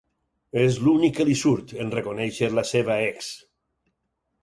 És l'únic que li surt, en reconèixer la seva ex.